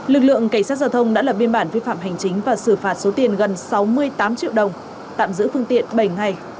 lực lượng cảnh sát giao thông đã lập biên bản vi phạm hành chính và xử phạt số tiền gần sáu mươi tám triệu đồng tạm giữ phương tiện bảy ngày